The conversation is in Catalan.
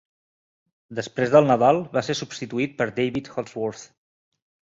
Després del nadal va ser substituït per David Holdsworth.